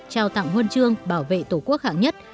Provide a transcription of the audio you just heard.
trao tặng huân chương bảo vệ tổ quốc hạng nhất